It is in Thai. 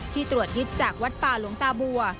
ตรวจยึดจากวัดป่าหลวงตาบัว